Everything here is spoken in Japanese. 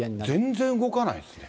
全然動かないですね。